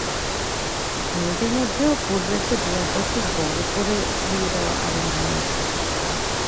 মেয়েদের মধ্যেও পূর্বের চেয়ে দু-এক বছর বড় করে বিয়ে দেওয়া আরম্ভ হয়েছে।